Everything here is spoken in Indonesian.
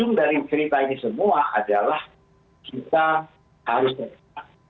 hanya dari cerita ini semua adalah kita harus berhenti